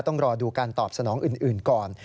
ต้องรอดูการตอบสนองอื่นก่อน